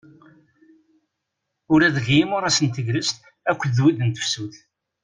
Ula deg yimuras n tegrest akked wid n tefsut.